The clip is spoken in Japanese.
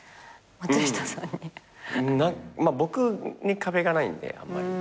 まあ僕に壁がないんであんまり。